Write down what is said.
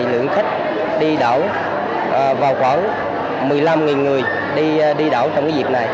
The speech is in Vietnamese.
lượng khách đi đảo vào khoảng một mươi năm người đi đảo trong dịp này